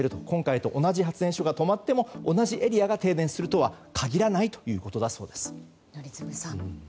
今回と同じ発電所が止まっても同じエリアが停電するとは限らないということだそうです。